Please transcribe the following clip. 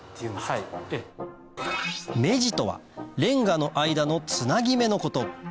目地とはれんがの間のつなぎ目のこと